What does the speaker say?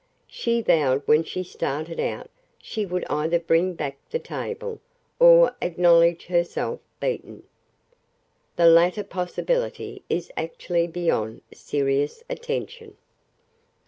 She vowed when she started out she would either bring back the table or acknowledge herself beaten. The latter possibility is actually beyond serious attention."